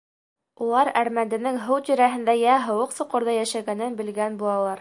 Улар әрмәнденең һыу тирәһендә йә һыуыҡ соҡорҙа йәшәгәнен белгән булалар.